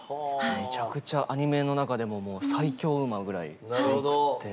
めちゃくちゃアニメの中でももう最強馬ぐらい強くって。